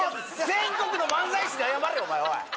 全国の漫才師に謝れお前！